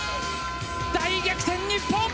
大逆転、日本！